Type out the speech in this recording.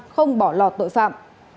không bỏ lọt tội phạm